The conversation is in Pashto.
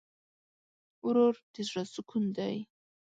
ورور د زړه سکون دی.